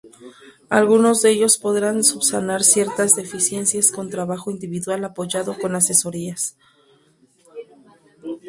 Algunos de ellos podrán subsanar ciertas deficiencias con trabajo individual apoyado con asesorías.